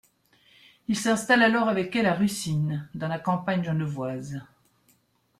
Il s'installe alors avec elle à Russin, dans la campagne genevoise.